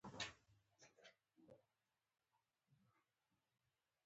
د ستونزو په وړاندې چوپ پاتې کېدل صبر ګڼو.